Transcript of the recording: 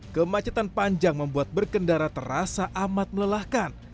kemacetan panjang membuat berkendara terasa amat melelahkan